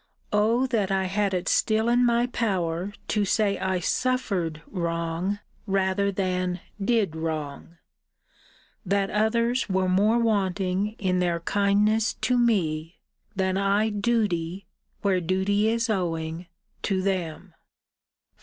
O that I had it still in my power to say I suffered wrong, rather than did wrong! That others were more wanting in their kindness to me than I duty (where duty is owing) to them.